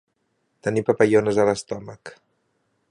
Tenir papallones a l'estómac.